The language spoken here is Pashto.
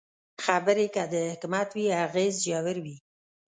خبرې که د حکمت وي، اغېز ژور وي